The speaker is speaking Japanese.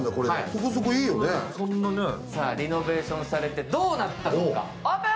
リノベーションされてどうなったのか、オープン！